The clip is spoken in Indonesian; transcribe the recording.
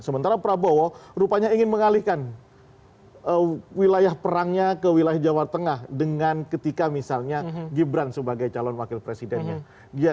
sementara prabowo rupanya ingin mengalihkan wilayah perangnya ke wilayah jawa tengah dengan ketika misalnya gibran sebagai calon wakil presidennya